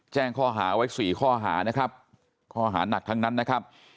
แจ้งข้อหาไว้๔ข้อหานะครับข้อหานักทั้งนั้นนะครับ